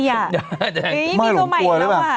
ไม่รู้ผมกลัวหรือเปล่าอะเกลียดมีตัวใหม่ถึงว่า